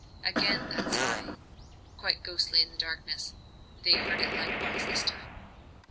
Again that sigh quite ghostly in the darkness. They heard it likewise this time.